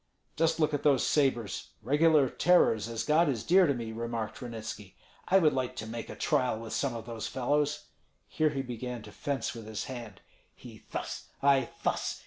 "Just look at those sabres, regular tearers, as God is dear to me!" remarked Ranitski. "I would like to make a trial with some of those fellows." Here he began to fence with his hand: "He thus, I thus!